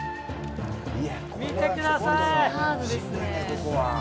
見てください！